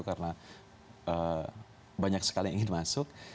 karena banyak sekali yang ingin masuk